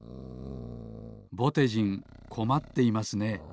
ぼてじんこまっていますね。